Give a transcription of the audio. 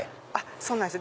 そうなんですよ。